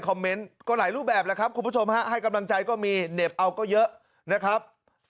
เมนต์ก็หลายรูปแบบแล้วครับคุณผู้ชมฮะให้กำลังใจก็มีเหน็บเอาก็เยอะนะครับ